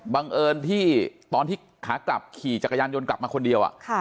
บังเอิญที่ตอนที่ขากลับขี่จักรยานยนต์กลับมาคนเดียว